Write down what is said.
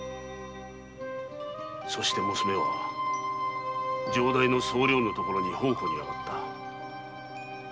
そして娘は城代の総領のところに奉公に上がった。